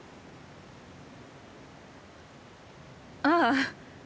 ああ。